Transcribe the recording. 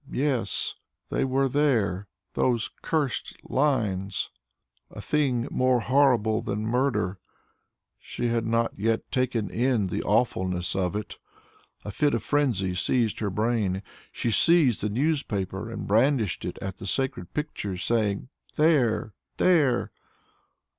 Yes, they were there, those cursed lines! a thing more horrible than murder. She had not yet taken in the awfulness of it. A fit of frenzy seized her brain. She seized the newspaper and brandished it at the sacred pictures, saying, "There! There!"